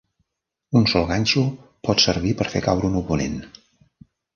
Un sol ganxo pot servir per fer caure un oponent.